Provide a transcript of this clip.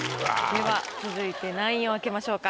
では続いて何位を開けましょうか？